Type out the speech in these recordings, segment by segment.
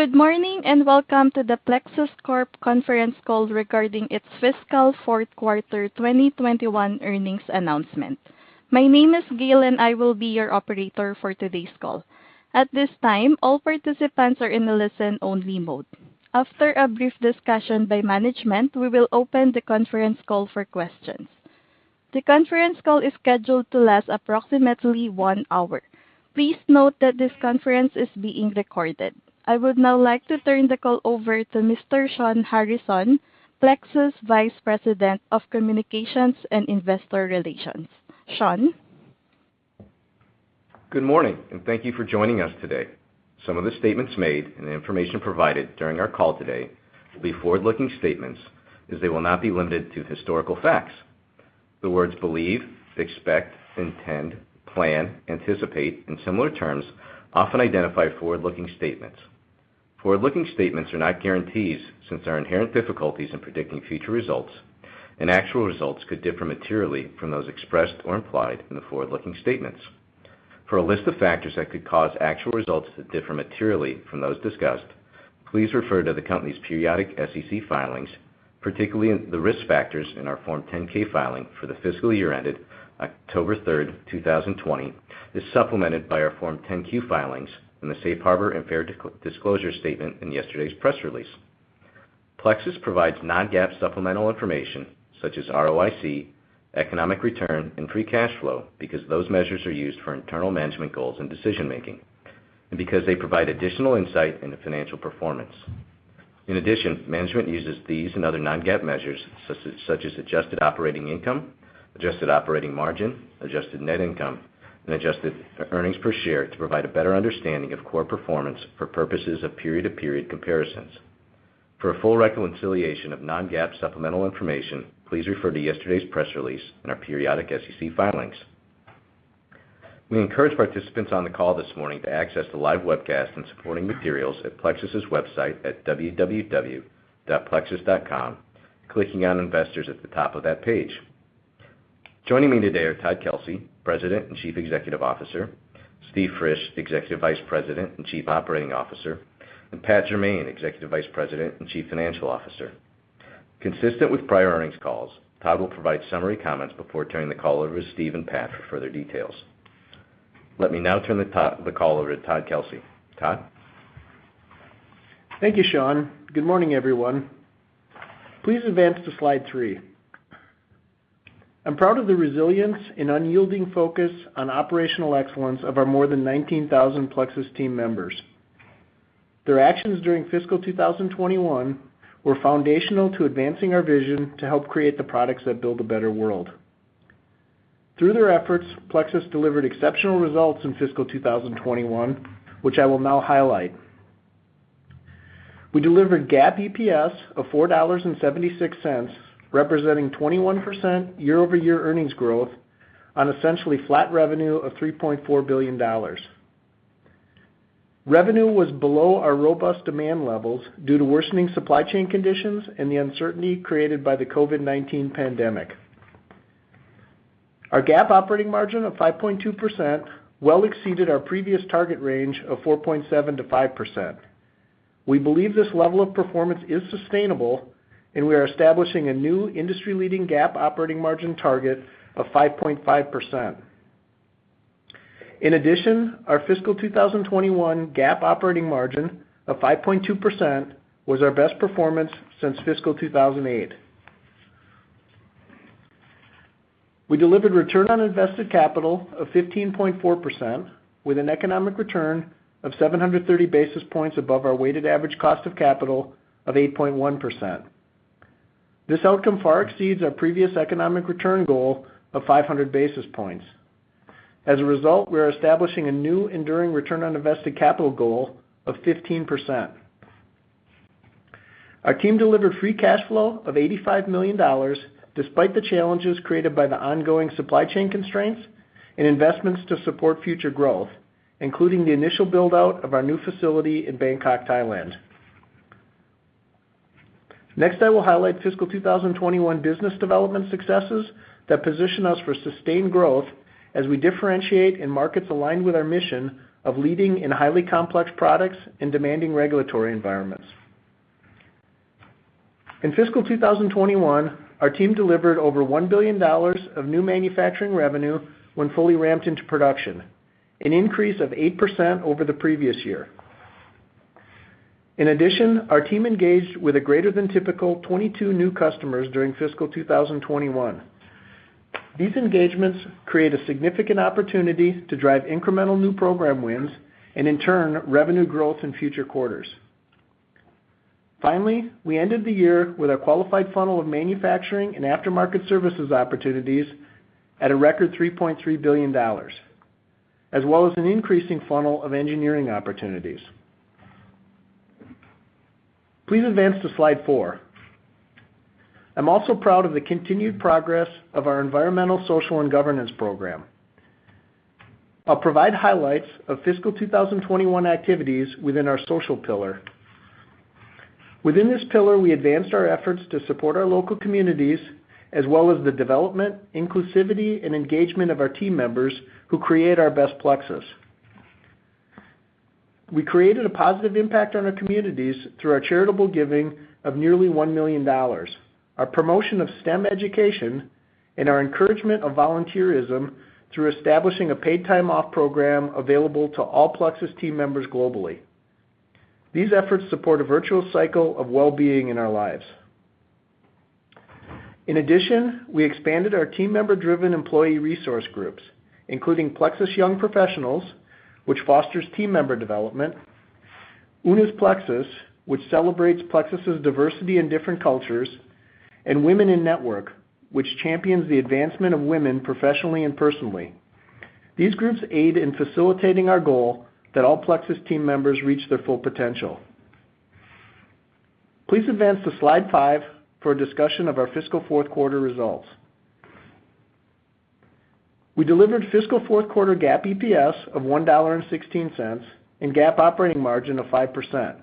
Good morning, and welcome to the Plexus Corp. conference call regarding its fiscal fourth quarter 2021 earnings announcement. My name is Gail, and I will be your operator for today's call. At this time, all participants are in a listen-only mode. After a brief discussion by management, we will open the conference call for questions. The conference call is scheduled to last approximately one hour. Please note that this conference is being recorded. I would now like to turn the call over to Mr. Shawn Harrison, Plexus Vice President of Communications and Investor Relations. Shawn? Good morning, and thank you for joining us today. Some of the statements made and the information provided during our call today will be forward-looking statements as they will not be limited to historical facts. The words believe, expect, intend, plan, anticipate, and similar terms often identify forward-looking statements. Forward-looking statements are not guarantees since there are inherent difficulties in predicting future results, and actual results could differ materially from those expressed or implied in the forward-looking statements. For a list of factors that could cause actual results to differ materially from those discussed, please refer to the company's periodic SEC filings, particularly in the Risk Factors in our Form 10-K filing for the fiscal year ended October 3, 2020, is supplemented by our Form 10-Q filings in the Safe Harbor and Fair Disclosure statement in yesterday's press release. Plexus provides non-GAAP supplemental information such as ROIC, economic return, and free cash flow because those measures are used for internal management goals and decision-making, and because they provide additional insight into financial performance. In addition, management uses these and other non-GAAP measures, such as adjusted operating income, adjusted operating margin, adjusted net income, and adjusted earnings per share to provide a better understanding of core performance for purposes of period-to-period comparisons. For a full reconciliation of non-GAAP supplemental information, please refer to yesterday's press release and our periodic SEC filings. We encourage participants on the call this morning to access the live webcast and supporting materials at Plexus' website at www.plexus.com, clicking on Investors at the top of that page. Joining me today are Todd Kelsey, President and Chief Executive Officer, Steven Frisch, Executive Vice President and Chief Operating Officer, and Patrick Jermain, Executive Vice President and Chief Financial Officer. Consistent with prior earnings calls, Todd will provide summary comments before turning the call over to Steven and Patrick for further details. Let me now turn the call over to Todd Kelsey. Todd? Thank you, Shawn. Good morning, everyone. Please advance to slide three. I'm proud of the resilience and unyielding focus on operational excellence of our more than 19,000 Plexus team members. Their actions during fiscal 2021 were foundational to advancing our vision to help create the products that build a better world. Through their efforts, Plexus delivered exceptional results in fiscal 2021, which I will now highlight. We delivered GAAP EPS of $4.76, representing 21% year-over-year earnings growth on essentially flat revenue of $3.4 billion. Revenue was below our robust demand levels due to worsening supply chain conditions and the uncertainty created by the COVID-19 pandemic. Our GAAP operating margin of 5.2% well exceeded our previous target range of 4.7%-5%. We believe this level of performance is sustainable, and we are establishing a new industry-leading GAAP operating margin target of 5.5%. In addition, our fiscal 2021 GAAP operating margin of 5.2% was our best performance since fiscal 2008. We delivered return on invested capital of 15.4% with an economic return of 730 basis points above our weighted average cost of capital of 8.1%. This outcome far exceeds our previous economic return goal of 500 basis points. As a result, we are establishing a new enduring return on invested capital goal of 15%. Our team delivered free cash flow of $85 million despite the challenges created by the ongoing supply chain constraints and investments to support future growth, including the initial build-out of our new facility in Bangkok, Thailand. Next, I will highlight fiscal 2021 business development successes that position us for sustained growth as we differentiate in markets aligned with our mission of leading in highly complex products and demanding regulatory environments. In fiscal 2021, our team delivered over $1 billion of new manufacturing revenue when fully ramped into production, an increase of 8% over the previous year. In addition, our team engaged with a greater than typical 22 new customers during fiscal 2021. These engagements create a significant opportunity to drive incremental new program wins and in turn, revenue growth in future quarters. Finally, we ended the year with a qualified funnel of manufacturing and aftermarket services opportunities at a record $3.3 billion, as well as an increasing funnel of engineering opportunities. Please advance to slide four. I'm also proud of the continued progress of our environmental, social, and governance program. I'll provide highlights of fiscal 2021 activities within our social pillar. Within this pillar, we advanced our efforts to support our local communities, as well as the development, inclusivity, and engagement of our team members who create our best Plexus. We created a positive impact on our communities through our charitable giving of nearly $1 million, our promotion of STEM education, and our encouragement of volunteerism through establishing a paid time off program available to all Plexus team members globally. These efforts support a virtuous cycle of well-being in our lives. In addition, we expanded our team member-driven employee resource groups, including Plexus Young Professionals, which fosters team member development, Unus Plexus, which celebrates Plexus' diversity in different cultures, and Women in Network, which champions the advancement of women professionally and personally. These groups aid in facilitating our goal that all Plexus team members reach their full potential. Please advance to slide five for a discussion of our fiscal fourth quarter results. We delivered fiscal fourth quarter GAAP EPS of $1.16 and GAAP operating margin of 5%.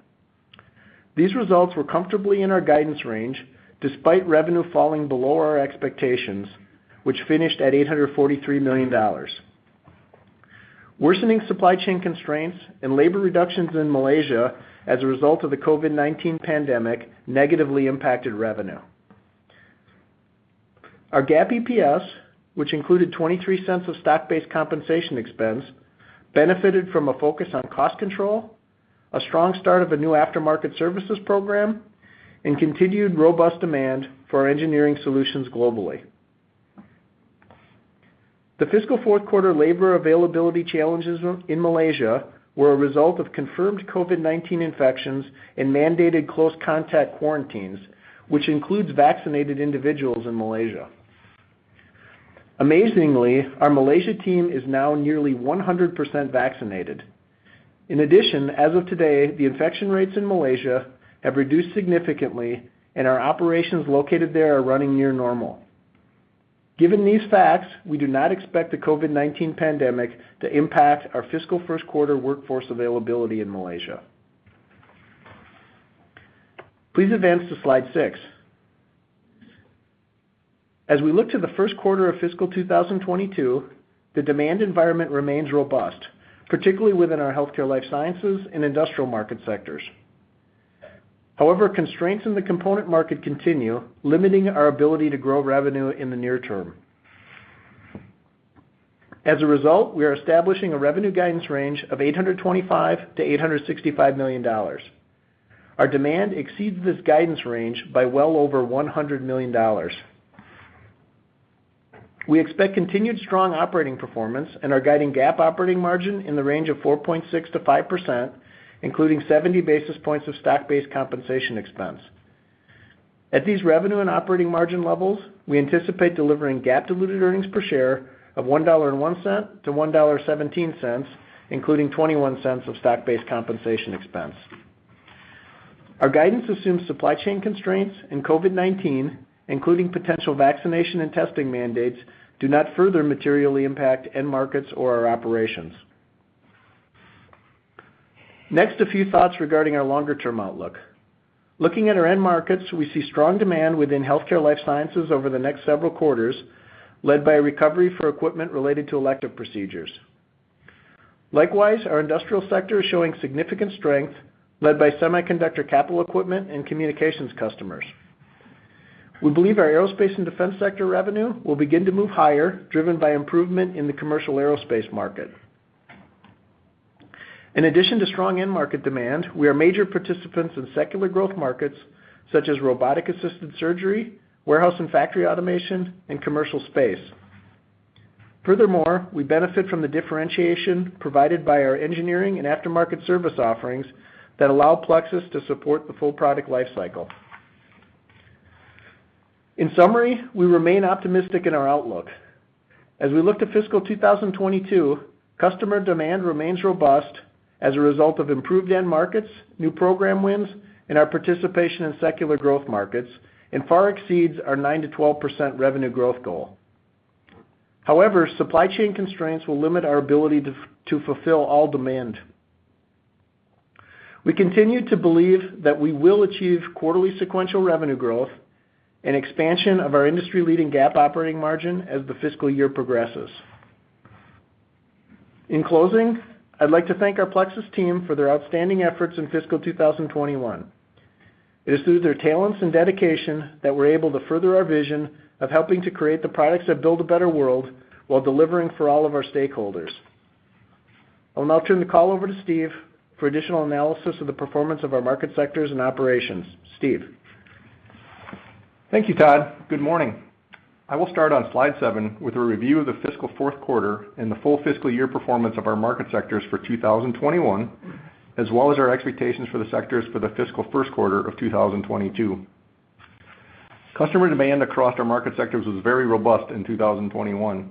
These results were comfortably in our guidance range despite revenue falling below our expectations, which finished at $843 million. Worsening supply chain constraints and labor reductions in Malaysia as a result of the COVID-19 pandemic negatively impacted revenue. Our GAAP EPS, which included $0.23 of stock-based compensation expense, benefited from a focus on cost control, a strong start of a new aftermarket services program, and continued robust demand for our engineering solutions globally. The fiscal fourth quarter labor availability challenges in Malaysia were a result of confirmed COVID-19 infections and mandated close contact quarantines, which includes vaccinated individuals in Malaysia. Amazingly, our Malaysia team is now nearly 100% vaccinated. In addition, as of today, the infection rates in Malaysia have reduced significantly, and our operations located there are running near normal. Given these facts, we do not expect the COVID-19 pandemic to impact our fiscal first quarter workforce availability in Malaysia. Please advance to slide six. As we look to the first quarter of fiscal 2022, the demand environment remains robust, particularly within our Healthcare/Life Sciences, and Industrial market sectors. However, constraints in the component market continue, limiting our ability to grow revenue in the near term. As a result, we are establishing a revenue guidance range of $825 million-$865 million. Our demand exceeds this guidance range by well over $100 million. We expect continued strong operating performance and are guiding GAAP operating margin in the range of 4.6%-5%, including 70 basis points of stock-based compensation expense. At these revenue and operating margin levels, we anticipate delivering GAAP diluted earnings per share of $1.01-$1.17, including $0.21 of stock-based compensation expense. Our guidance assumes supply chain constraints and COVID-19, including potential vaccination and testing mandates, do not further materially impact end markets or our operations. Next, a few thoughts regarding our longer-term outlook. Looking at our end markets, we see strong demand within Healthcare/Life Sciences over the next several quarters, led by a recovery for equipment related to elective procedures. Likewise, our industrial sector is showing significant strength led by semiconductor capital equipment and communications customers. We believe our Aerospace and Defense sector revenue will begin to move higher, driven by improvement in the commercial aerospace market. In addition to strong end market demand, we are major participants in secular growth markets such as robotic-assisted surgery, warehouse and factory automation, and commercial space. Furthermore, we benefit from the differentiation provided by our engineering and aftermarket service offerings that allow Plexus to support the full product life cycle. In summary, we remain optimistic in our outlook. As we look to fiscal 2022, customer demand remains robust as a result of improved end markets, new program wins, and our participation in secular growth markets, and far exceeds our 9%-12% revenue growth goal. However, supply chain constraints will limit our ability to fulfill all demand. We continue to believe that we will achieve quarterly sequential revenue growth and expansion of our industry-leading GAAP operating margin as the fiscal year progresses. In closing, I'd like to thank our Plexus team for their outstanding efforts in fiscal 2021. It is through their talents and dedication that we're able to further our vision of helping to create the products that build a better world while delivering for all of our stakeholders. I'll now turn the call over to Steven for additional analysis of the performance of our market sectors and operations. Steven? Thank you, Todd. Good morning. I will start on slide seven, with a review of the fiscal fourth quarter and the full fiscal year performance of our market sectors for 2021, as well as our expectations for the sectors for the fiscal first quarter of 2022. Customer demand across our market sectors was very robust in 2021,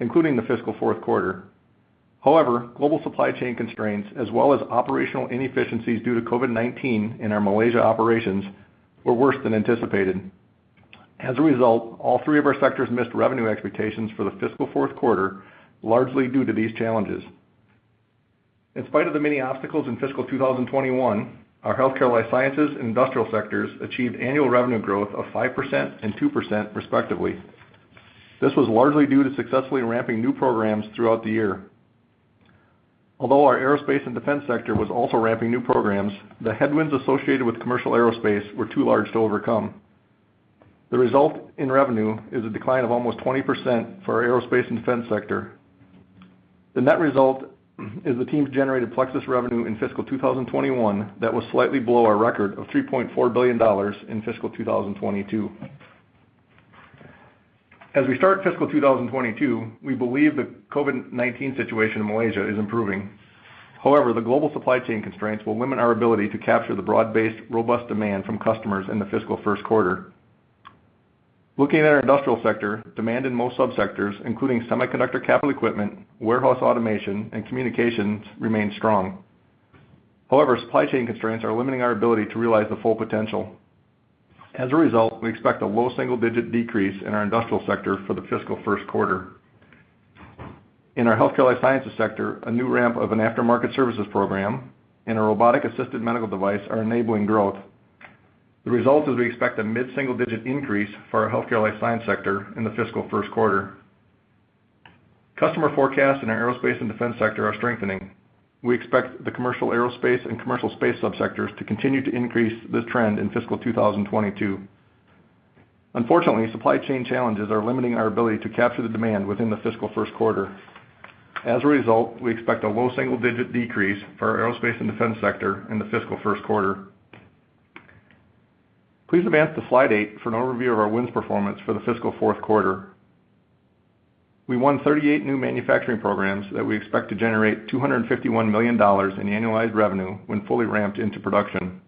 including the fiscal fourth quarter. However, global supply chain constraints as well as operational inefficiencies due to COVID-19 in our Malaysia operations were worse than anticipated. As a result, all three of our sectors missed revenue expectations for the fiscal fourth quarter, largely due to these challenges. In spite of the many obstacles in fiscal 2021, our Healthcare/Life Sciences and industrial sectors achieved annual revenue growth of 5% and 2%, respectively. This was largely due to successfully ramping new programs throughout the year. Although our Aerospace and Defense sector was also ramping new programs, the headwinds associated with commercial aerospace were too large to overcome. The result in revenue is a decline of almost 20% for our Aerospace and Defense sector. The net result is the teams generated Plexus revenue in fiscal 2021 that was slightly below our record of $3.4 billion in fiscal 2022. As we start fiscal 2022, we believe the COVID-19 situation in Malaysia is improving. However, the global supply chain constraints will limit our ability to capture the broad-based, robust demand from customers in the fiscal first quarter. Looking at our industrial sector, demand in most subsectors, including semiconductor capital equipment, warehouse automation, and communications remain strong. However, supply chain constraints are limiting our ability to realize the full potential. As a result, we expect a low-single digit decrease in our industrial sector for the fiscal first quarter. In our Healthcare/Life Sciences sector, a new ramp of an aftermarket services program and a robotic-assisted medical device are enabling growth. The result is we expect a mid-single digit increase for our Healthcare/Life Sciences sector in the fiscal first quarter. Customer forecasts in our Aerospace and Defense sector are strengthening. We expect the commercial aerospace and commercial space subsectors to continue to increase this trend in fiscal 2022. Unfortunately, supply chain challenges are limiting our ability to capture the demand within the fiscal first quarter. As a result, we expect a low-single digit decrease for our Aerospace and Defense sector in the fiscal first quarter. Please advance to slide eight for an overview of our wins performance for the fiscal fourth quarter. We won 38 new manufacturing programs that we expect to generate $251 million in annualized revenue when fully ramped into production.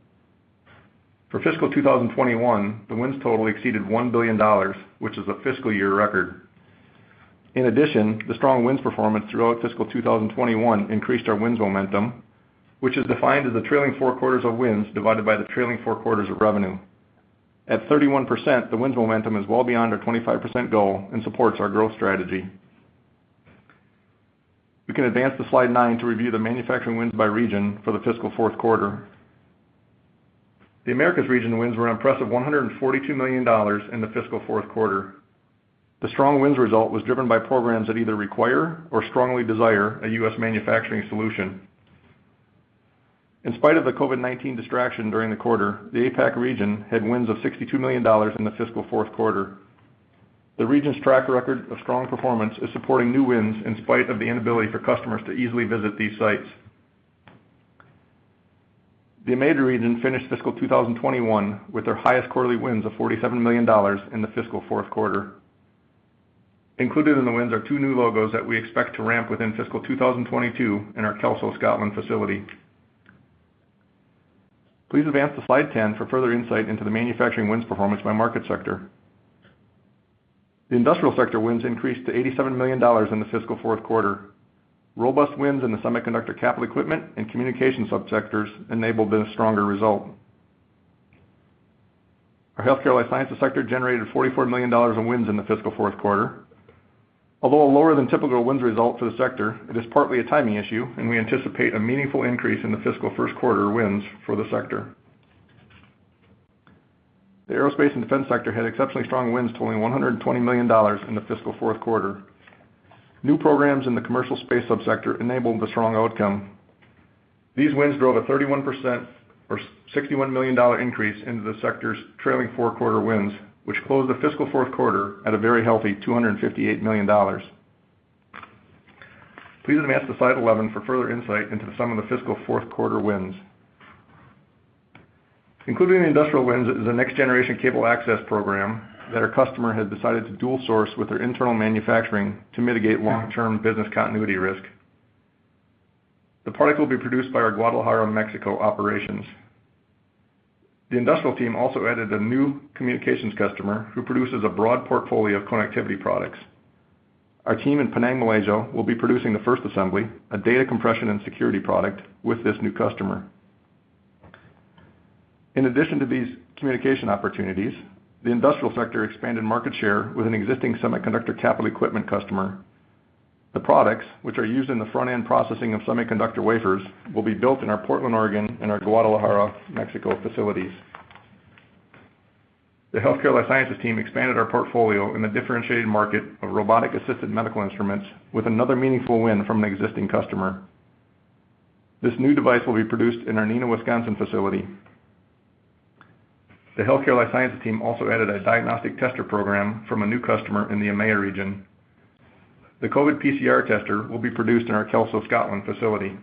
For fiscal 2021, the wins total exceeded $1 billion, which is a fiscal year record. In addition, the strong wins performance throughout fiscal 2021 increased our wins momentum, which is defined as the trailing four quarters of wins divided by the trailing four quarters of revenue. At 31%, the wins momentum is well beyond our 25% goal and supports our growth strategy. We can advance to slide nine to review the manufacturing wins by region for the fiscal fourth quarter. The America's region wins were an impressive $142 million in the fiscal fourth quarter. The strong wins result was driven by programs that either require or strongly desire a U.S. manufacturing solution. In spite of the COVID-19 distraction during the quarter, the APAC region had wins of $62 million in the fiscal fourth quarter. The region's track record of strong performance is supporting new wins in spite of the inability for customers to easily visit these sites. The EMEA region finished fiscal 2021 with their highest quarterly wins of $47 million in the fiscal fourth quarter. Included in the wins are two new logos that we expect to ramp within fiscal 2022 in our Kelso, Scotland facility. Please advance to slide 10 for further insight into the manufacturing wins performance by market sector. The industrial sector wins increased to $87 million in the fiscal fourth quarter. Robust wins in the semiconductor capital equipment and communication subsectors enabled the stronger result. Our Healthcare/Life Sciences sector generated $44 million in wins in the fiscal fourth quarter. Although a lower than typical wins result for the sector, it is partly a timing issue, and we anticipate a meaningful increase in the fiscal first quarter wins for the sector. The Aerospace and Defense sector had exceptionally strong wins totaling $120 million in the fiscal fourth quarter. New programs in the commercial space subsector enabled the strong outcome. These wins drove a 31% or $61 million increase into the sector's trailing four-quarter wins, which closed the fiscal fourth quarter at a very healthy $258 million. Please advance to slide 11 for further insight into some of the fiscal fourth quarter wins. Included in the industrial wins is a next-generation cable access program that our customer has decided to dual source with their internal manufacturing to mitigate long-term business continuity risk. The product will be produced by our Guadalajara, Mexico operations. The industrial team also added a new communications customer who produces a broad portfolio of connectivity products. Our team in Penang, Malaysia, will be producing the first assembly, a data compression and security product, with this new customer. In addition to these communication opportunities, the industrial sector expanded market share with an existing semiconductor capital equipment customer. The products, which are used in the front-end processing of semiconductor wafers, will be built in our Portland, Oregon, and our Guadalajara, Mexico facilities. The Healthcare/Life Sciences team expanded our portfolio in the differentiated market of robotic-assisted medical instruments with another meaningful win from an existing customer. This new device will be produced in our Neenah, Wisconsin facility. The Healthcare/Life Sciences team also added a diagnostic tester program from a new customer in the EMEA region. The COVID PCR tester will be produced in our Kelso, Scotland facility.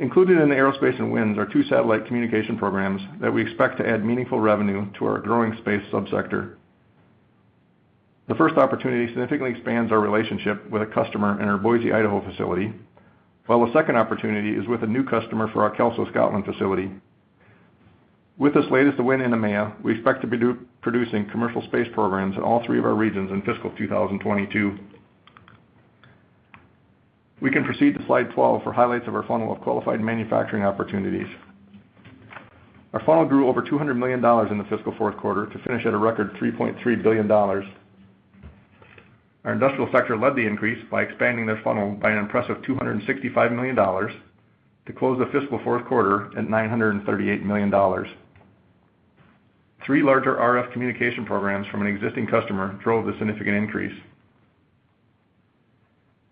Included in the Aerospace and Defense wins are two satellite communication programs that we expect to add meaningful revenue to our growing space subsector. The first opportunity significantly expands our relationship with a customer in our Boise, Idaho facility, while the second opportunity is with a new customer for our Kelso, Scotland facility. With this latest win in EMEA, we expect to be producing commercial space programs in all three of our regions in fiscal 2022. We can proceed to slide 12 for highlights of our funnel of qualified manufacturing opportunities. Our funnel grew over $200 million in the fiscal fourth quarter to finish at a record $3.3 billion. Our industrial sector led the increase by expanding their funnel by an impressive $265 million to close the fiscal fourth quarter at $938 million. Three larger RF communication programs from an existing customer drove the significant increase.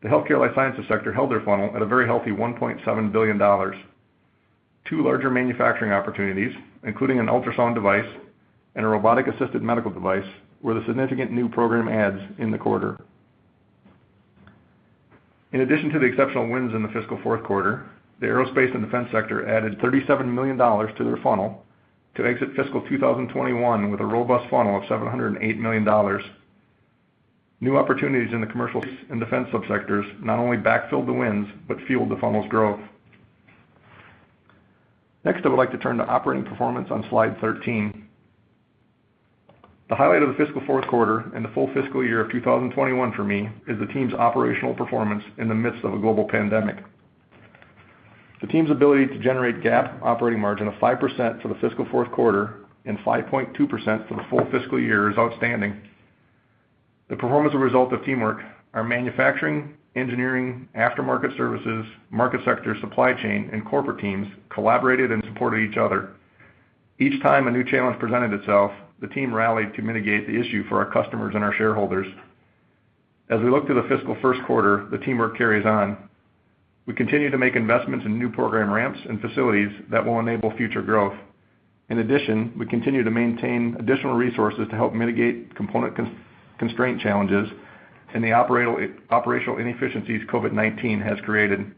The Healthcare/Life Sciences sector held their funnel at a very healthy $1.7 billion. Two larger manufacturing opportunities, including an ultrasound device and a robotic-assisted medical device, were the significant new program adds in the quarter. In addition to the exceptional wins in the fiscal fourth quarter, the Aerospace and Defense sector added $37 million to their funnel to exit fiscal 2021 with a robust funnel of $708 million. New opportunities in the commercial and defense subsectors not only backfilled the wins, but fueled the funnel's growth. Next, I would like to turn to operating performance on slide 13. The highlight of the fiscal fourth quarter and the full fiscal year of 2021 for me is the team's operational performance in the midst of a global pandemic. The team's ability to generate GAAP operating margin of 5% for the fiscal fourth quarter and 5.2% for the full fiscal year is outstanding. The performance is a result of teamwork. Our manufacturing, engineering, aftermarket services, market sector, supply chain, and corporate teams collaborated and supported each other. Each time a new challenge presented itself, the team rallied to mitigate the issue for our customers and our shareholders. As we look to the fiscal first quarter, the teamwork carries on. We continue to make investments in new program ramps and facilities that will enable future growth. In addition, we continue to maintain additional resources to help mitigate component constraint challenges and the operational inefficiencies COVID-19 has created.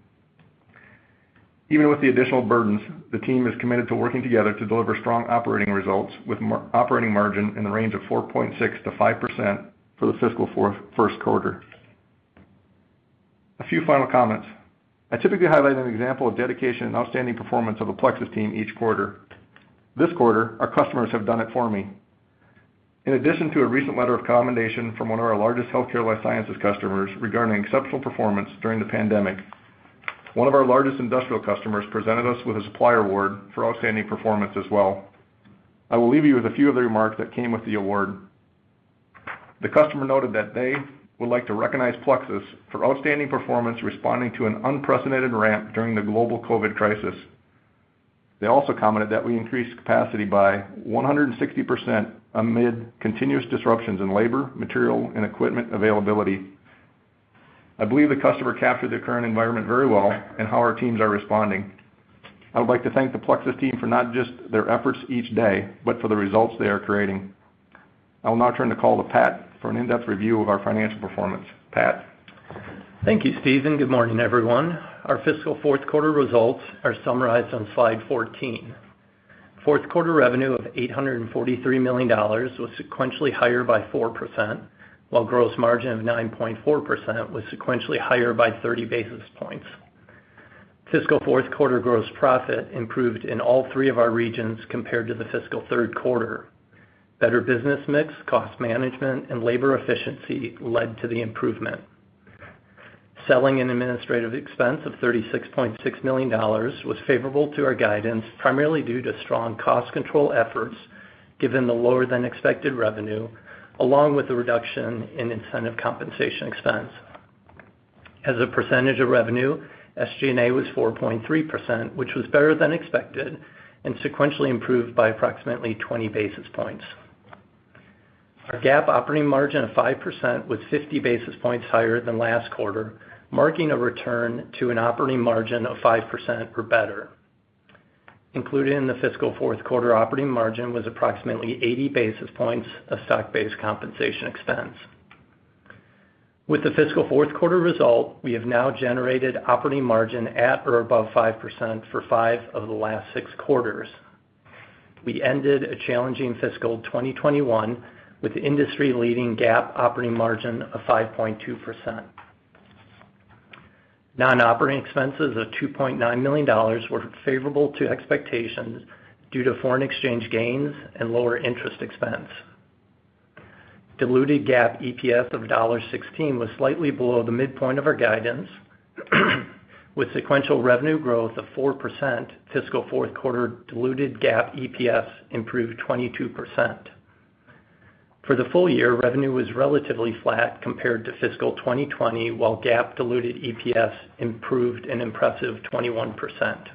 Even with the additional burdens, the team is committed to working together to deliver strong operating results with operating margin in the range of 4.6%-5% for the fiscal first quarter. A few final comments. I typically highlight an example of dedication and outstanding performance of the Plexus team each quarter. This quarter, our customers have done it for me. In addition to a recent letter of commendation from one of our largest Healthcare/Life Sciences customers regarding exceptional performance during the pandemic. One of our largest industrial customers presented us with a Supplier Award for outstanding performance as well. I will leave you with a few of the remarks that came with the award. The customer noted that they would like to recognize Plexus for outstanding performance responding to an unprecedented ramp during the global COVID crisis. They also commented that we increased capacity by 160% amid continuous disruptions in labor, material, and equipment availability. I believe the customer captured the current environment very well and how our teams are responding. I would like to thank the Plexus team for not just their efforts each day, but for the results they are creating. I will now turn the call to Patrick for an in-depth review of our financial performance. Patrick? Thank you, Steven. Good morning, everyone. Our fiscal fourth quarter results are summarized on slide 14. Fourth quarter revenue of $843 million was sequentially higher by 4%, while gross margin of 9.4% was sequentially higher by 30 basis points. Fiscal fourth quarter gross profit improved in all three of our regions compared to the fiscal third quarter. Better business mix, cost management, and labor efficiency led to the improvement. Selling and administrative expense of $36.6 million was favorable to our guidance, primarily due to strong cost control efforts given the lower than expected revenue, along with the reduction in incentive compensation expense. As a percentage of revenue, SG&A was 4.3%, which was better than expected and sequentially improved by approximately 20 basis points. Our GAAP operating margin of 5% was 50 basis points higher than last quarter, marking a return to an operating margin of 5% or better. Included in the fiscal fourth quarter operating margin was approximately 80 basis points of stock-based compensation expense. With the fiscal fourth quarter result, we have now generated operating margin at or above 5% for 5 of the last 6 quarters. We ended a challenging fiscal 2021 with industry-leading GAAP operating margin of 5.2%. Non-operating expenses of $2.9 million were favorable to expectations due to foreign exchange gains and lower interest expense. Diluted GAAP EPS of $1.16 was slightly below the midpoint of our guidance. With sequential revenue growth of 4%, fiscal fourth quarter diluted GAAP EPS improved 22%. For the full year, revenue was relatively flat compared to fiscal 2020, while GAAP diluted EPS improved an impressive 21%.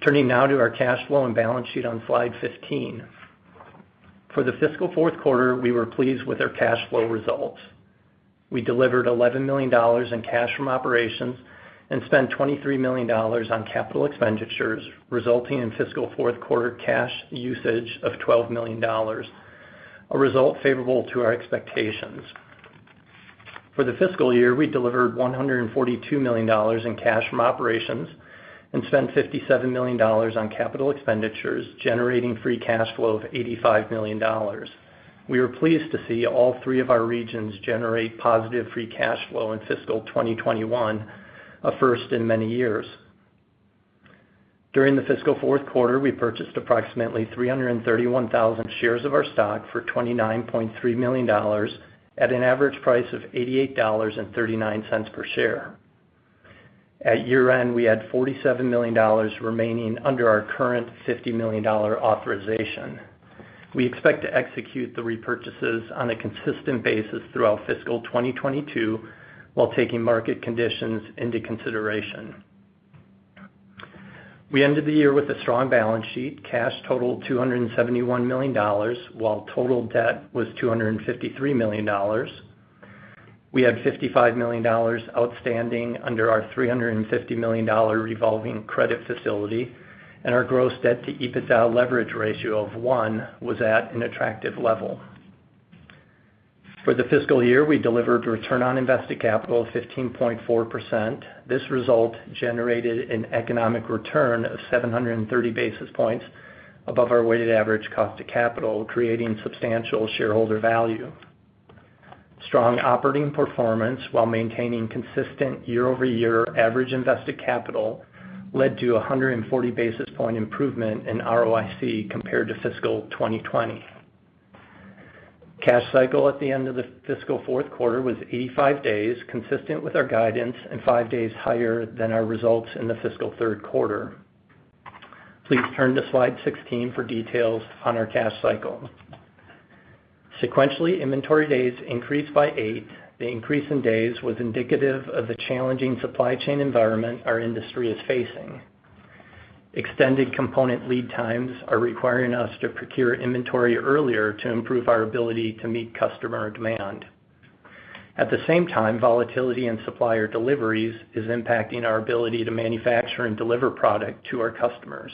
Turning now to our cash flow and balance sheet on slide 15. For the fiscal fourth quarter, we were pleased with our cash flow results. We delivered $11 million in cash from operations and spent $23 million on capital expenditures, resulting in fiscal fourth quarter cash usage of $12 million, a result favorable to our expectations. For the fiscal year, we delivered $142 million in cash from operations and spent $57 million on capital expenditures, generating free cash flow of $85 million. We were pleased to see all three of our regions generate positive free cash flow in fiscal 2021, a first in many years. During the fiscal fourth quarter, we purchased approximately 331,000 shares of our stock for $29.3 million at an average price of $88.39 per share. At year-end, we had $47 million remaining under our current $50 million authorization. We expect to execute the repurchases on a consistent basis throughout fiscal 2022, while taking market conditions into consideration. We ended the year with a strong balance sheet. Cash totaled $271 million, while total debt was $253 million. We had $55 million outstanding under our $350 million revolving credit facility, and our gross debt to EBITDA leverage ratio of 1 was at an attractive level. For the fiscal year, we delivered a return on invested capital of 15.4%. This result generated an economic return of 730 basis points above our weighted average cost of capital, creating substantial shareholder value. Strong operating performance, while maintaining consistent year-over-year average invested capital led to a 140 basis point improvement in ROIC compared to fiscal 2020. Cash cycle at the end of the fiscal fourth quarter was 85 days, consistent with our guidance, and five days higher than our results in the fiscal third quarter. Please turn to slide 16 for details on our cash cycle. Sequentially, inventory days increased by eight. The increase in days was indicative of the challenging supply chain environment our industry is facing. Extended component lead times are requiring us to procure inventory earlier to improve our ability to meet customer demand. At the same time, volatility in supplier deliveries is impacting our ability to manufacture and deliver product to our customers.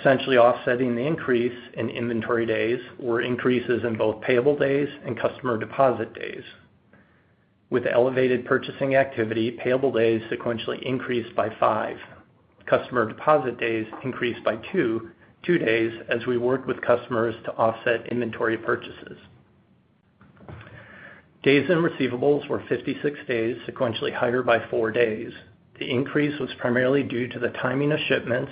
Essentially offsetting the increase in inventory days were increases in both payable days and customer deposit days. With elevated purchasing activity, payable days sequentially increased by five. Customer deposit days increased by two days as we worked with customers to offset inventory purchases. Days in receivables were 56 days, sequentially higher by four days. The increase was primarily due to the timing of shipments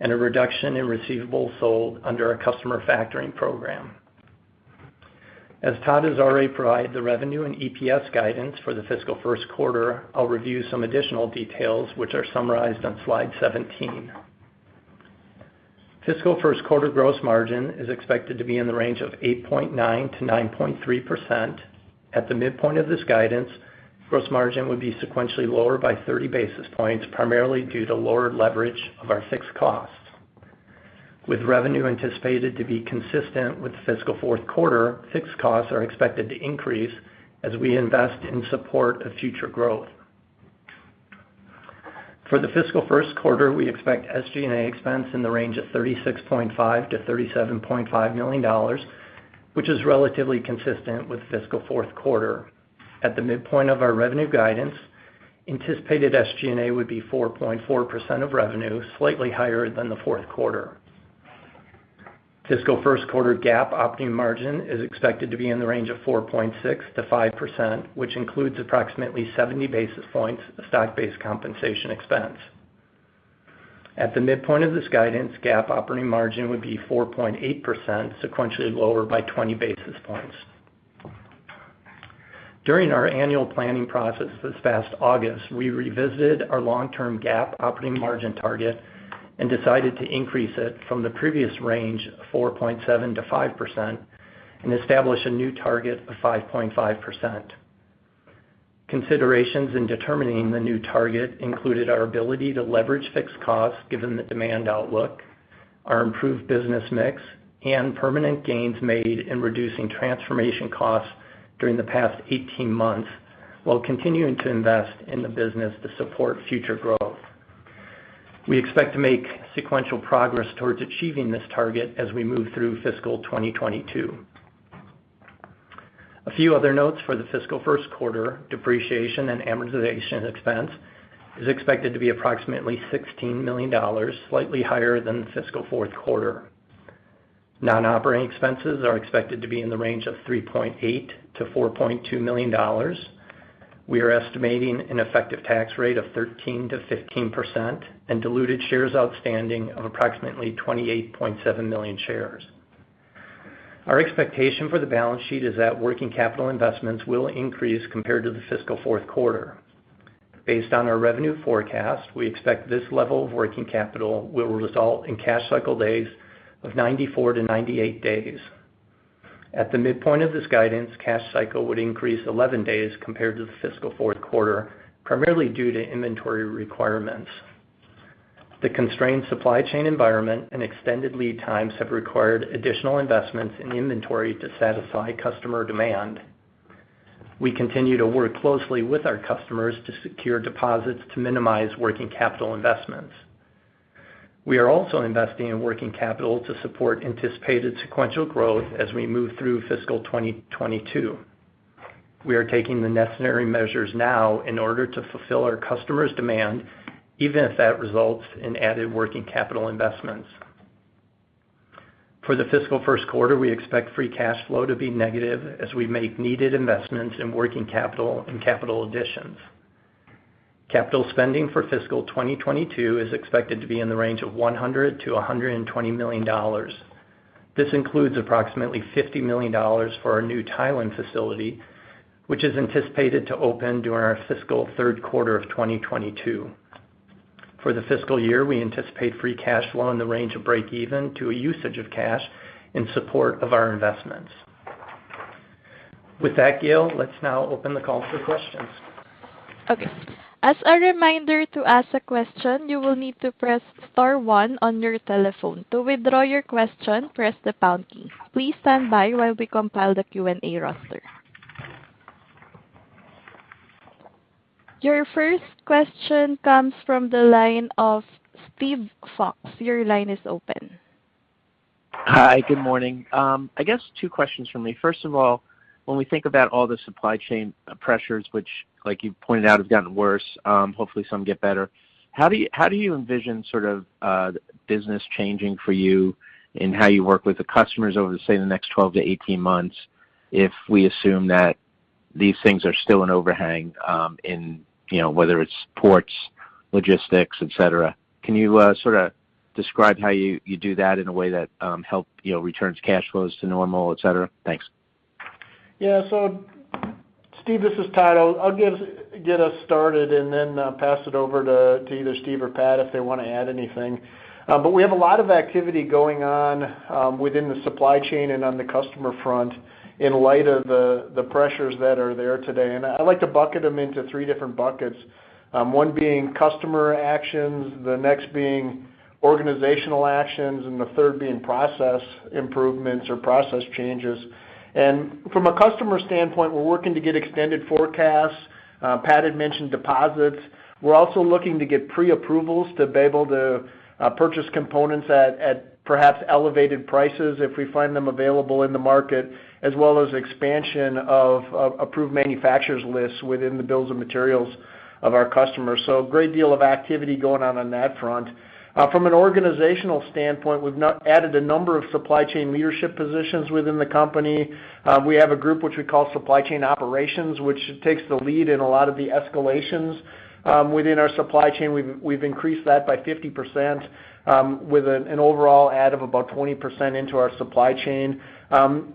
and a reduction in receivables sold under our customer factoring program. As Todd has already provided the revenue and EPS guidance for the fiscal first quarter, I'll review some additional details which are summarized on slide 17. Fiscal first quarter gross margin is expected to be in the range of 8.9%-9.3%. At the midpoint of this guidance, gross margin would be sequentially lower by 30 basis points, primarily due to lower leverage of our fixed costs. With revenue anticipated to be consistent with fiscal fourth quarter, fixed costs are expected to increase as we invest in support of future growth. For the fiscal first quarter, we expect SG&A expense in the range of $36.5 million-$37.5 million, which is relatively consistent with fiscal fourth quarter. At the midpoint of our revenue guidance, anticipated SG&A would be 4.4% of revenue, slightly higher than the fourth quarter. Fiscal first quarter GAAP operating margin is expected to be in the range of 4.6%-5%, which includes approximately 70 basis points of stock-based compensation expense. At the midpoint of this guidance, GAAP operating margin would be 4.8%, sequentially lower by 20 basis points. During our annual planning process this past August, we revisited our long-term GAAP operating margin target and decided to increase it from the previous range of 4.7%-5% and establish a new target of 5.5%. Considerations in determining the new target included our ability to leverage fixed costs given the demand outlook, our improved business mix, and permanent gains made in reducing transformation costs during the past 18 months while continuing to invest in the business to support future growth. We expect to make sequential progress towards achieving this target as we move through fiscal 2022. A few other notes for the fiscal first quarter. Depreciation and amortization expense is expected to be approximately $16 million, slightly higher than the fiscal fourth quarter. Non-operating expenses are expected to be in the range of $3.8 million-$4.2 million. We are estimating an effective tax rate of 13%-15% and diluted shares outstanding of approximately 28.7 million shares. Our expectation for the balance sheet is that working capital investments will increase compared to the fiscal fourth quarter. Based on our revenue forecast, we expect this level of working capital will result in cash cycle days of 94 days-98 days. At the midpoint of this guidance, cash cycle would increase 11 days compared to the fiscal fourth quarter, primarily due to inventory requirements. The constrained supply chain environment and extended lead times have required additional investments in inventory to satisfy customer demand. We continue to work closely with our customers to secure deposits to minimize working capital investments. We are also investing in working capital to support anticipated sequential growth as we move through fiscal 2022. We are taking the necessary measures now in order to fulfill our customers' demand, even if that results in added working capital investments. For the fiscal first quarter, we expect free cash flow to be negative as we make needed investments in working capital and capital additions. Capital spending for fiscal 2022 is expected to be in the range of $100 million-$120 million. This includes approximately $50 million for our new Thailand facility, which is anticipated to open during our fiscal third quarter of 2022. For the fiscal year, we anticipate free cash flow in the range of break even to a usage of cash in support of our investments. With that, Gail, let's now open the call for questions. Okay. As a reminder, to ask a question, you will need to press star one on your telephone. To withdraw your question, press the pound key. Please stand by while we compile the Q&A roster. Your first question comes from the line of Steven Fox. Your line is open. Hi, good morning. I guess two questions from me. First of all, when we think about all the supply chain pressures, which like you pointed out, have gotten worse, hopefully some get better. How do you envision sort of business changing for you in how you work with the customers over, say, the next 12 months-18 months if we assume that these things are still an overhang, in you know, whether it's ports, logistics, et cetera? Can you sort of describe how you do that in a way that help you know, returns cash flows to normal, et cetera? Thanks. Yeah. Steven, this is Todd. I'll get us started and then pass it over to either Steven or Patrick if they want to add anything. But we have a lot of activity going on within the supply chain and on the customer front in light of the pressures that are there today. I'd like to bucket them into three different buckets. One being customer actions, the next being organizational actions, and the third being process improvements or process changes. From a customer standpoint, we're working to get extended forecasts. Patrick had mentioned deposits. We're also looking to get pre-approvals to be able to purchase components at perhaps elevated prices if we find them available in the market, as well as expansion of approved manufacturers list within the bills of materials of our customers. A great deal of activity going on on that front. From an organizational standpoint, we've added a number of supply chain leadership positions within the company. We have a group which we call supply chain operations, which takes the lead in a lot of the escalations within our supply chain. We've increased that by 50%, with an overall add of about 20% into our supply chain.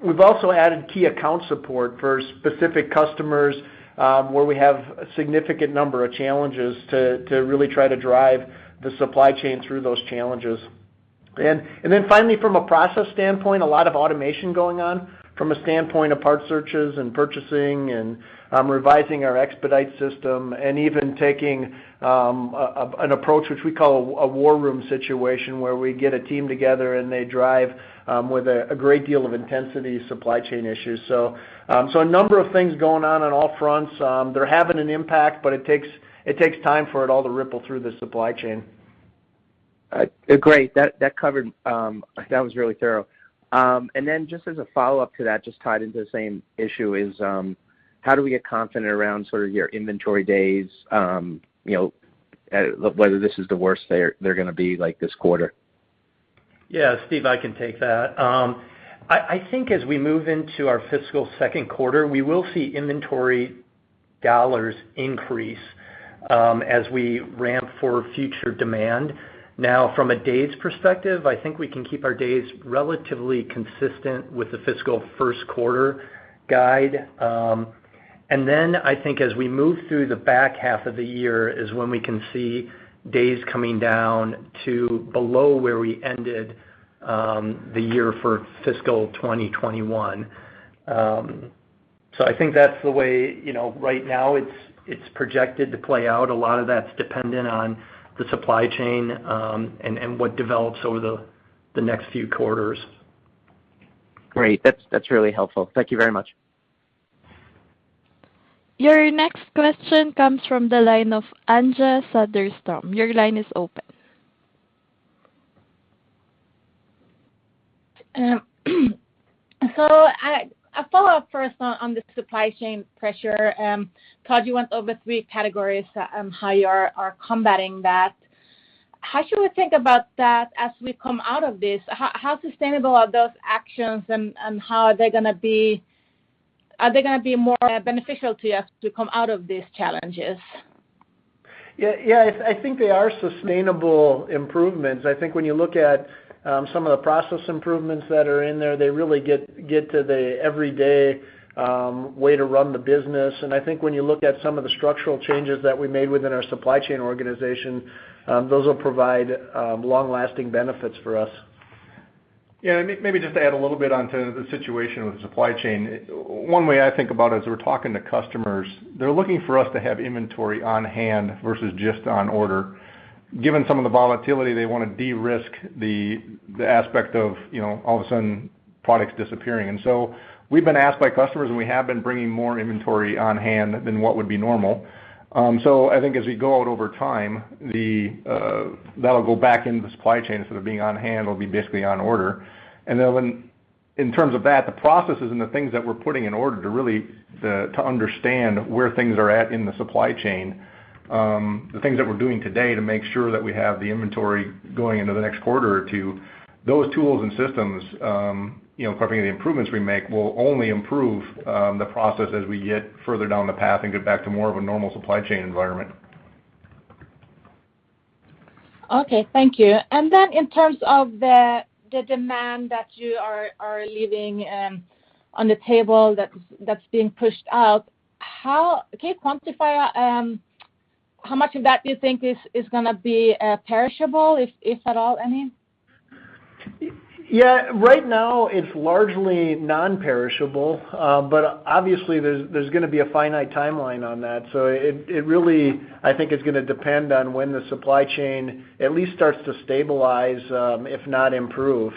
We've also added key account support for specific customers, where we have a significant number of challenges to really try to drive the supply chain through those challenges. Finally, from a process standpoint, a lot of automation going on from a standpoint of part searches and purchasing, and revising our expedite system and even taking an approach which we call a war room situation, where we get a team together and they drive with a great deal of intensity supply chain issues. A number of things going on on all fronts. They're having an impact, but it takes time for it all to ripple through the supply chain. Great. That covered. That was really thorough. Then just as a follow-up to that, just tied into the same issue, is how do we get confident around sort of your inventory days, you know, whether this is the worst they're gonna be like this quarter? Yeah, Steven, I can take that. I think as we move into our fiscal second quarter, we will see inventory dollars increase as we ramp for future demand. Now, from a days perspective, I think we can keep our days relatively consistent with the fiscal first quarter guide. I think as we move through the back half of the year is when we can see days coming down to below where we ended the year for fiscal 2021. I think that's the way, you know, right now it's projected to play out. A lot of that's dependent on the supply chain and what develops over the next few quarters. Great. That's really helpful. Thank you very much. Your next question comes from the line of Anja Soderstrom. Your line is open. I have a follow-up first on the supply chain pressure. Todd, you went over three categories on how you are combating that. How should we think about that as we come out of this? How sustainable are those actions and how are they gonna be more beneficial to you as we come out of these challenges? Yeah. I think they are sustainable improvements. I think when you look at some of the process improvements that are in there, they really get to the everyday way to run the business. I think when you look at some of the structural changes that we made within our supply chain organization, those will provide long-lasting benefits for us. Maybe just to add a little bit onto the situation with the supply chain. One way I think about it as we're talking to customers, they're looking for us to have inventory on-hand versus just on order. Given some of the volatility, they wanna de-risk the aspect of, you know, all of a sudden products disappearing. We've been asked by customers, and we have been bringing more inventory on-hand than what would be normal. I think as we go out over time, that'll go back into the supply chain. Instead of being on-hand, it'll be basically on order. In terms of that, the processes and the things that we're putting in order to really, to understand where things are at in the supply chain. The things that we're doing today to make sure that we have the inventory going into the next quarter or two, those tools and systems. You know, quite frankly, the improvements we make will only improve the process as we get further down the path and get back to more of a normal supply chain environment. Okay. Thank you. In terms of the demand that you are leaving on the table that's being pushed out, can you quantify how much of that do you think is gonna be perishable, if at all any? Yeah. Right now, it's largely non-perishable. Obviously, there's gonna be a finite timeline on that. It really I think is gonna depend on when the supply chain at least starts to stabilize, if not improve.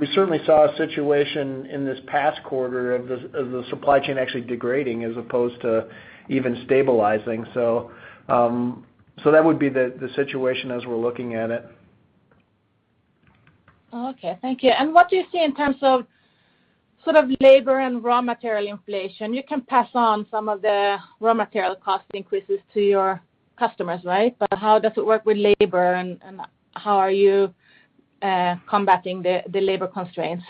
We certainly saw a situation in this past quarter of the supply chain actually degrading as opposed to even stabilizing. That would be the situation as we're looking at it. Okay. Thank you. What do you see in terms of sort of labor and raw material inflation? You can pass on some of the raw material cost increases to your customers, right? But how does it work with labor, and how are you combating the labor constraints?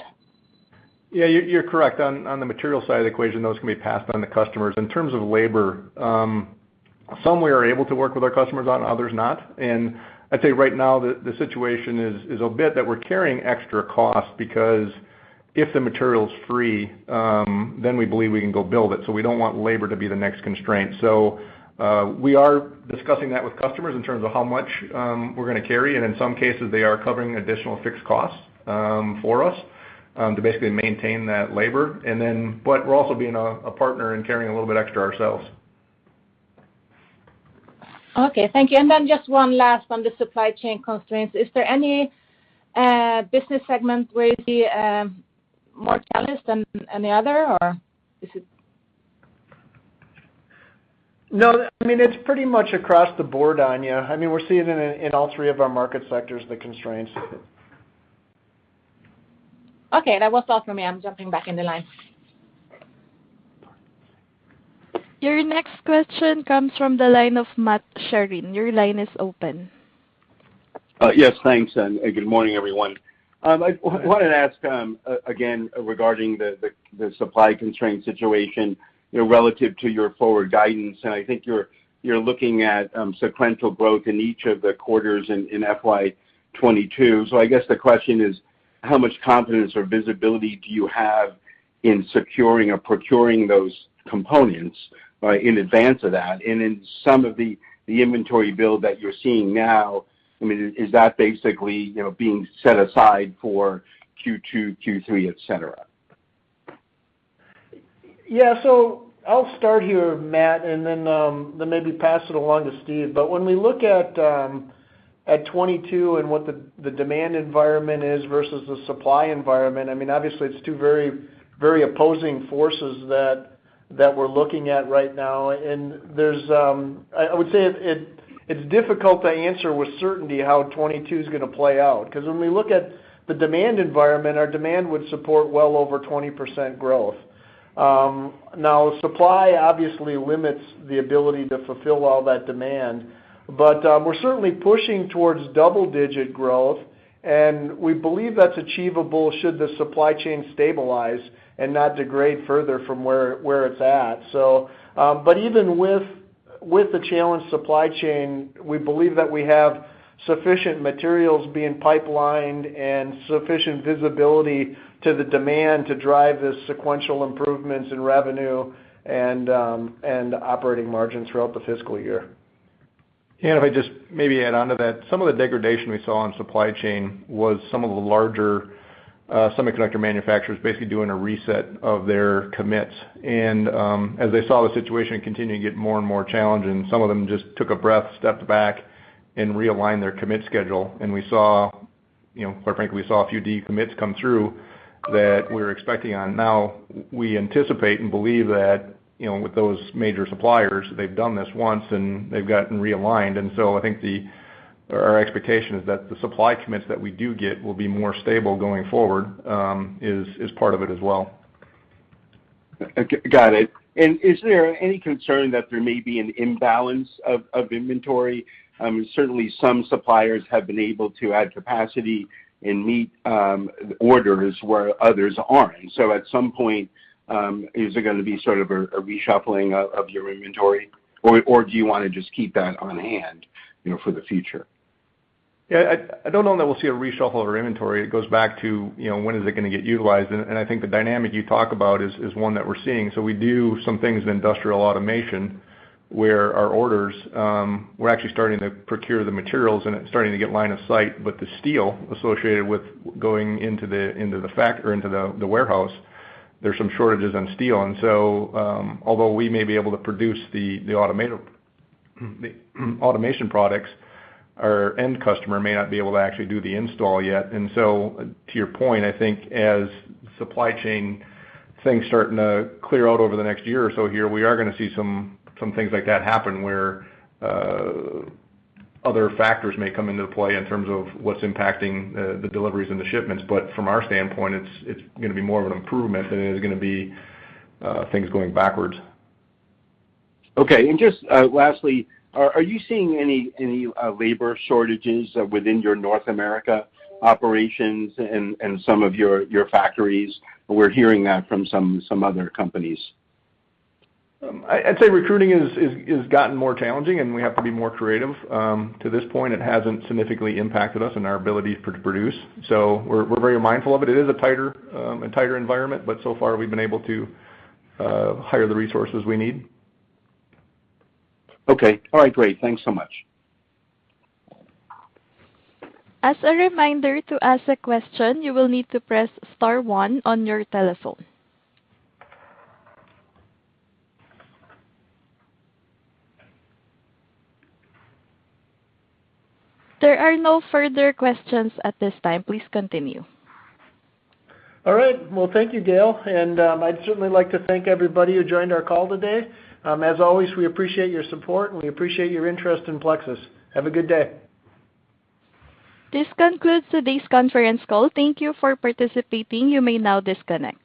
Yeah. You're correct. On the material side of the equation, those can be passed on to customers. In terms of labor, some we are able to work with our customers on, others not. I'd say right now, the situation is a bit that we're carrying extra costs because if the material's free, then we believe we can go build it. So we don't want labor to be the next constraint. We are discussing that with customers in terms of how much we're gonna carry, and in some cases, they are covering additional fixed costs for us to basically maintain that labor. We're also being a partner and carrying a little bit extra ourselves. Okay. Thank you. Just one last on the supply chain constraints. Is there any business segment where you see more challenged than any other, or is it? No. I mean, it's pretty much across the board, Anja. I mean, we're seeing it in all three of our market sectors, the constraints. Okay. That was all for me. I'm jumping back in the line. Your next question comes from the line of Matt Sheerin. Your line is open. Yes. Thanks, and good morning, everyone. I wanted to ask again regarding the supply constraint situation, you know, relative to your forward guidance, and I think you're looking at sequential growth in each of the quarters in FY 2022. I guess the question is: How much confidence or visibility do you have in securing or procuring those components in advance of that? And in some of the inventory build that you're seeing now, I mean, is that basically, you know, being set aside for Q2, Q3, et cetera? Yeah. I'll start here, Matt, and then maybe pass it along to Steven. When we look at 2022 and what the demand environment is versus the supply environment, I mean, obviously it's two very opposing forces that we're looking at right now. There's I would say it's difficult to answer with certainty how 2022 is gonna play out. 'Cause when we look at the demand environment, our demand would support well over 20% growth. Now, supply obviously limits the ability to fulfill all that demand. We're certainly pushing towards double digit growth, and we believe that's achievable should the supply chain stabilize and not degrade further from where it's at. Even with the challenged supply chain, we believe that we have sufficient materials being pipelined and sufficient visibility to the demand to drive the sequential improvements in revenue and operating margins throughout the fiscal year. If I just maybe add onto that. Some of the degradation we saw on supply chain was some of the larger semiconductor manufacturers basically doing a reset of their commits. As they saw the situation continue to get more and more challenging, some of them just took a breath, stepped back, and realigned their commit schedule. We saw, you know, quite frankly, a few decommits come through that we were expecting on. Now, we anticipate and believe that, you know, with those major suppliers, they've done this once and they've gotten realigned. I think the, our expectation is that the supply commits that we do get will be more stable going forward, is part of it as well. Got it. Is there any concern that there may be an imbalance of inventory? Certainly some suppliers have been able to add capacity and meet orders where others aren't. At some point, is it gonna be sort of a reshuffling of your inventory, or do you wanna just keep that on hand, you know, for the future? Yeah. I don't know that we'll see a reshuffle of our inventory. It goes back to, you know, when is it gonna get utilized, and I think the dynamic you talk about is one that we're seeing. We do some things in industrial automation where our orders, we're actually starting to procure the materials and starting to get line of sight with the steel associated with going into the warehouse. There's some shortages on steel. Although we may be able to produce the automation products, our end customer may not be able to actually do the install yet. To your point, I think as supply chain things start to clear out over the next year or so here, we are gonna see some things like that happen, where other factors may come into play in terms of what's impacting the deliveries and the shipments. But from our standpoint, it's gonna be more of an improvement than it is gonna be things going backwards. Okay. Just lastly, are you seeing any labor shortages within your North America operations and some of your factories? We're hearing that from some other companies. I'd say recruiting is gotten more challenging, and we have to be more creative. To this point, it hasn't significantly impacted us and our ability to produce. We're very mindful of it. It is a tighter environment, but so far we've been able to hire the resources we need. Okay. All right, great. Thanks so much. As a reminder, to ask a question, you will need to press star one on your telephone. There are no further questions at this time. Please continue. All right. Well, thank you, Gail, and I'd certainly like to thank everybody who joined our call today. As always, we appreciate your support, and we appreciate your interest in Plexus. Have a good day. This concludes today's conference call. Thank you for participating. You may now disconnect.